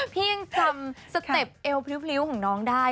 พี่ยังจำสเต็ปเอวพริ้วของน้องได้